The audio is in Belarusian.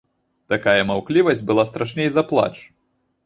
Такая маўклівасць была страшней за плач.